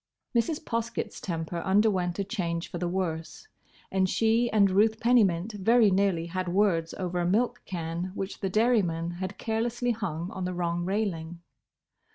Mrs. Poskett's temper underwent a change for the worse, and she and Ruth Pennymint very nearly had words over a milk can which the dairy man had carelessly hung on the wrong railing.